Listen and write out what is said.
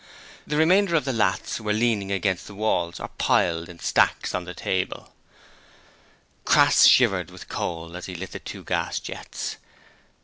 The remainder of the lathes were leaning against the walls or piled in stacks on the table. Crass shivered with cold as he lit the two gas jets.